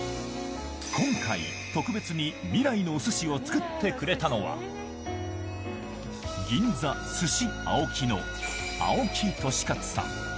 今回、特別に未来のおすしを作ってくれたのは、銀座鮨青木の青木利勝さん。